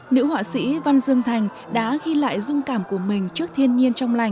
nữ họa sĩ văn dương thành đã ghi lại dung cảm của mình trước thiên nhiên trong lành